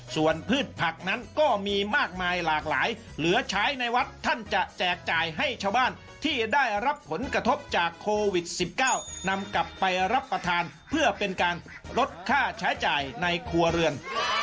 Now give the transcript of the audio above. ส่วนพืชผักนั้นก็มีมากมายหลากหลายเหลือใช้ในวัดท่านจะแจกจ่ายให้ชาวบ้านที่ได้รับผลกระทบจากโควิด๑๙นำกลับไปรับประทานเพื่อเป็นการลดค่าใช้จ่ายในครัวเรือน